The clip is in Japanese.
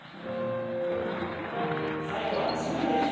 最後は足踏みです。